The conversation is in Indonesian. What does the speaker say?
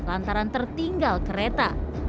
agar tak tertinggal kereta